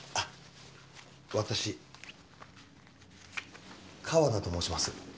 私川田と申します。